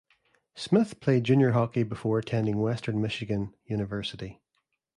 Smith played junior hockey before attending Western Michigan University.